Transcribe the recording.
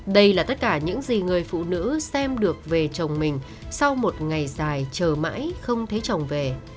đây là tất cả những gì người phụ nữ xem được về chồng mình sau một ngày dài chờ mãi không thấy chồng về